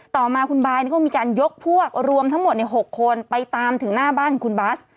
ต่อมาคุณบายก็มีการยกพวกรวมทั้งหมด๖คนไปตามถึงหน้าบ้านของคุณบัส